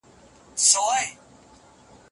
کړکۍ د باد له امله ښورېږي.